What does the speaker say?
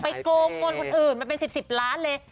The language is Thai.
ไปโกงกลคนอื่นมันเป็น๑๐ล้านเลย